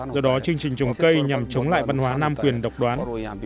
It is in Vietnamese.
do đó chương trình trồng cây nhằm chống lại văn hóa nam quyền độc đoán